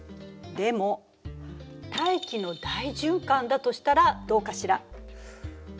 でも大気の大循環だとしたらどうかしら？